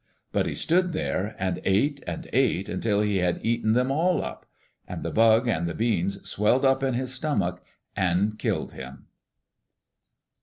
But he stood there and ate and ate until he had eaten them all up. And the bug and the beans swelled up in his stomach and killed him.